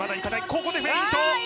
ここでフェイント！